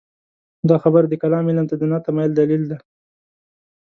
دا خبره د کلام علم ته د نه تمایل دلیل دی.